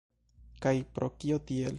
Kaj pro kio tiel?